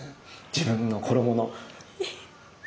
自分の衣の。